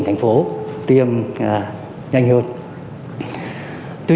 trong thời gian tới